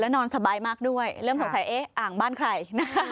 และนอนสบายมากด้วยเริ่มสงสัยอ่างบ้านใคร